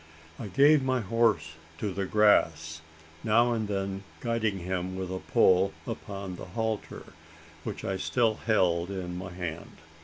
I gave my horse to the grass now and then guiding him with a pull upon the halter, which I still held in my hand.